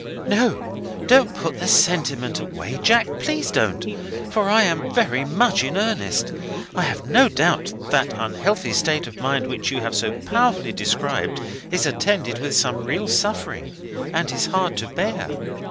"No; don't put the sentiment away, Jack; please don't; for I am very much in earnest. I have no doubt that that unhealthy state of mind which you have so powerfully described is attended with some real suffering, and is hard to bear.